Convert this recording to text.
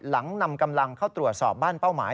นำกำลังเข้าตรวจสอบบ้านเป้าหมาย